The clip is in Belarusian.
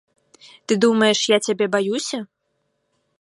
Ты думаеш, я цябе баюся?